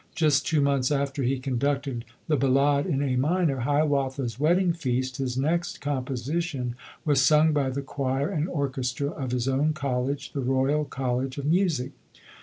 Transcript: Just two months after he conducted the "Ballade in A Minor", "Hiawatha's Wedding Feast", his next composition, was sung by the choir and orchestra of his own college The Royal College of Music.